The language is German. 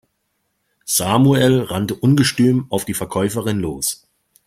Samuel rannte ungestüm auf die Verkäuferin los.